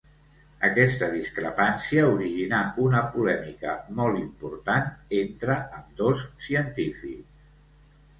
Aquesta discrepància originà una polèmica molt important entre ambdós científics.